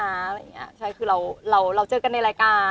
อะไรอย่างเนี่ยคือเราเจอกันในรายการ